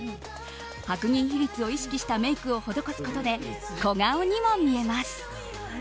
白銀比率を意識したメイクを施すことで小顔にも見えます。